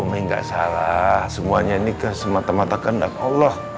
umi enggak salah semuanya nikah semata mata kendak allah